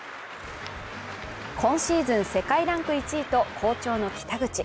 今シーズン世界ランク１位と好調の北口。